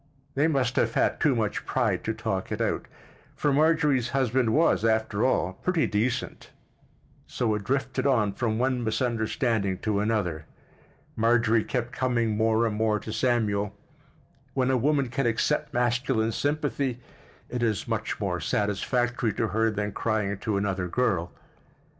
They must have had too much pride to talk it out—for Marjorie's husband was, after all, pretty decent—so it drifted on from one misunderstanding to another. Marjorie kept coming more and more to Samuel; when a woman can accept masculine sympathy at is much more satisfactory to her than crying to another girl.